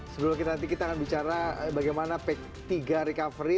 sebelumnya nanti kita akan bicara bagaimana p tiga recovery